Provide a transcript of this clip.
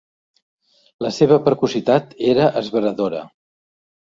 La seva precocitat era esveradora.